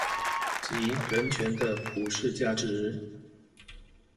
及人權的普世價值